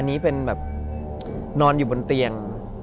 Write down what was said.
อันนี้เป็นแบบนอนอยู่บนเตียง